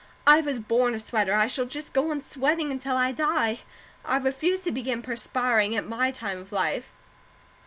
I was born a sweater, I shall just go on sweating until I die; I refuse to begin perspiring at my time of life."